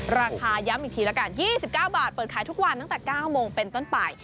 ราคาย้ำอีกทีละกัน๒๙บาทเปิดขายทุกวันตั้งแต่๙โมงเป็นต้นไป